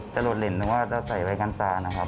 จะโหลดเหร่นว่าจะใส่ไว้กันดีนะครับ